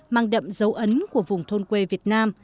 mang đậm dấu ấn của vùng thôn quê việt nam